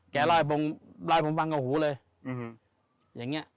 แกล่อยผมฟังกับหูเลยอย่างเนี่ย